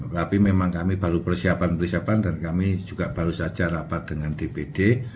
tapi memang kami baru persiapan persiapan dan kami juga baru saja rapat dengan dpd